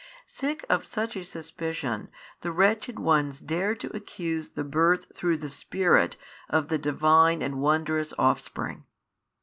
Sick of such a suspicion, the wretched ones dared to accuse the Birth through the Spirit of the Divine and wondrous Offspring.